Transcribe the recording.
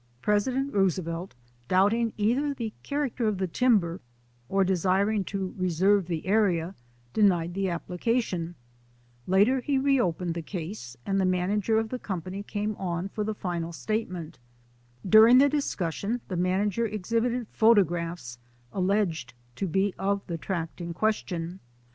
President Roosevelt, doubting either the correctness of the representations of the com pany concerning the character of the timber, oi desiring to reserve the area, denied the application. Later he re opened the case and the manager the company came on for the final statement. During the discussion the manager exhibited photo graphs alleged to be of the tract in question.